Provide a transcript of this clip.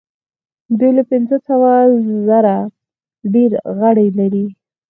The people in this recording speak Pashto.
دوی له پنځه سوه زره ډیر غړي لري.